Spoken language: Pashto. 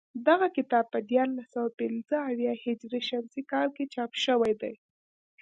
دغه کتاب په دیارلس سوه پنځه اویا هجري شمسي کال کې چاپ شوی دی